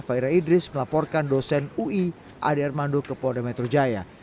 fahira idris melaporkan dosen ui ade armando ke polda metro jaya